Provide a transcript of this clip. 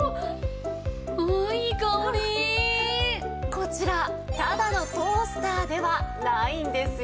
こちらただのトースターではないんですよ。